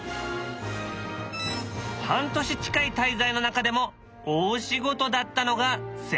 半年近い滞在の中でも大仕事だったのが船外活動。